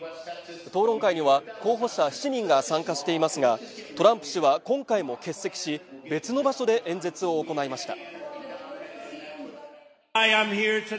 討論会には候補者７人が参加していますがトランプ氏は今回も欠席し別の場所で演説を行いました